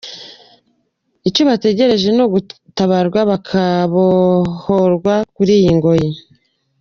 Icyo bategereje ni ugutabarwa bakabohorwa kuri iyo ngoyi.